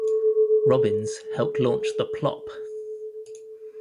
Robbins helped launch the Plop!